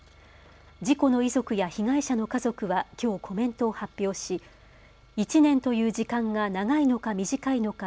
事故の遺族や被害者の家族はきょうコメントを発表し１年という時間が長いのか短いのか